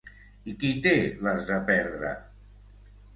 I qui té les de perdre?